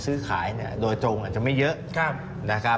ซื้อขายเนี่ยโดยตรงอาจจะไม่เยอะ